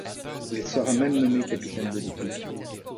Il sera même nommé capitaine de l’équipe.